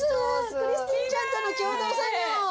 クリスティーンちゃんとの共同作業！